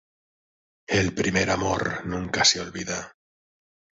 El primer amor nunca se olvida